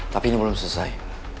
tapi ini belum selesai